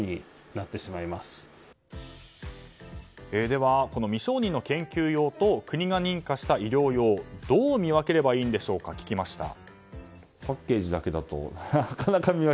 では、未承認の研究用と国が認可した医療用どう見分ければいいんでしょうか聞きました。